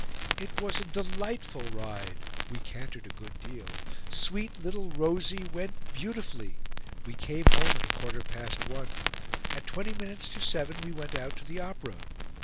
"It was a DELIGHTFUL ride. We cantered a good deal. SWEET LITTLE ROSY WENT BEAUTIFULLY!! We came home at a 1/4 past 1... At 20 minutes to 7 we went out to the Opera...